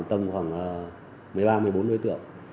tầm khoảng một mươi ba một mươi bốn đối tượng